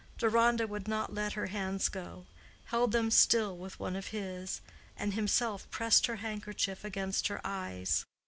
Deronda would not let her hands go—held them still with one of his, and himself pressed her handkerchief against her eyes.